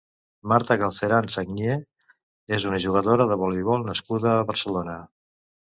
Marta Galceran Sagnier és una jugadora de voleibol nascuda a Barcelona.